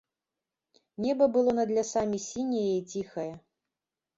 Неба было над лясамі сіняе і ціхае.